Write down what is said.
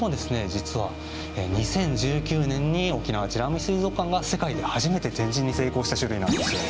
実は２０１９年に沖縄美ら海水族館が世界で初めて展示に成功した種類なんですよ。